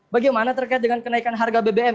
bagaimana terkait dengan kenaikan harga bbm